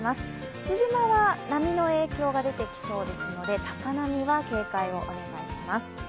父島は波の影響が出てきそうですので高波は警戒をお願いします。